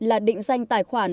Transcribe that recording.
là định danh tài khoản